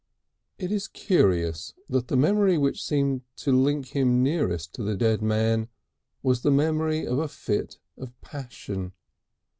It is curious that the memory which seemed to link him nearest to the dead man was the memory of a fit of passion.